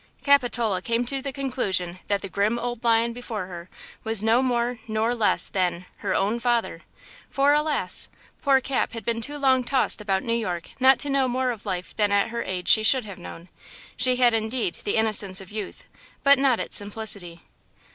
Capitola came to the conclusion that the grim old lion before her was no more nor less than–her own father! for alas! poor Cap had been too long tossed about New York not to know more of life than at her age she should have known. She had indeed the innocence of youth, but not its simplicity.